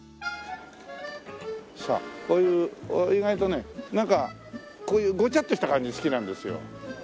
さあこういう意外とねなんかこういうごちゃっとした感じ好きなんですよ。